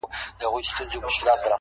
دا خو گراني ستا د حُسن اور دی لمبې کوي_